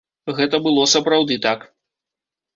Гэта было сапраўды так.